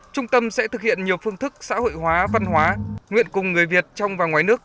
trung tâm sẽ thực hiện nhiều phương thức xã hội hóa văn hóa nguyện cùng người việt trong và ngoài nước